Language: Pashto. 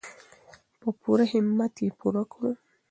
په پوره همت یې پوره کړو.